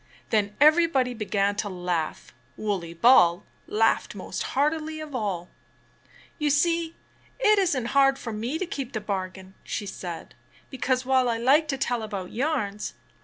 Then everybody began to laugh. Wooley Ball laughed most heartily of all. "You see, it isn't hard for me to keep the bargain," she said, "because, while I like to tell about yarns, "Woaley Ball lagged.